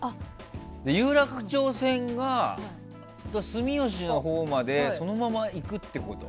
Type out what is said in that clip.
有楽町線が住吉のほうまでそのまま行くってこと？